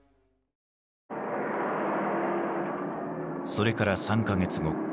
それから３か月後。